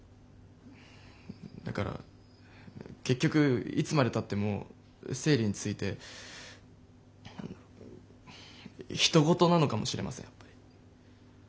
だから結局いつまでたっても生理についてひと事なのかもしれませんやっぱり。